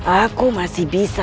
aku masih bisa